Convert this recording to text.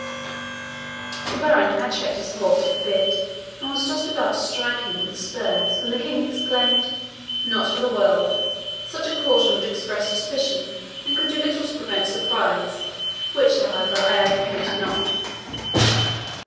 The baron had checked his horse with the bit, and was just about to strike him with the spurs when the King exclaimed, "Not for the world. Such a caution would express suspicion, and could do little to prevent surprise, which, however, I apprehend not."